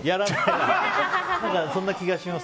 そんな気がします。